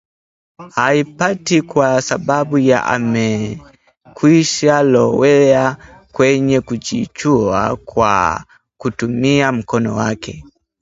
haipati kwa sababu ya amekwisharowea kwenye kujichua kwa kutumia mkono wake